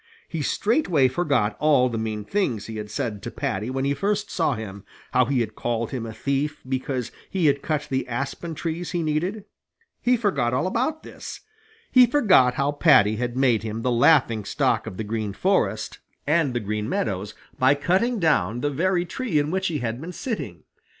He straightway forgot all the mean things he had said to Paddy when he first saw him how he had called him a thief because he had cut the aspen trees he needed. He forgot all this. He forgot how Paddy had made him the laughing stock of the Green Forest and the Green Meadows by cutting down the very tree in which he had been sitting.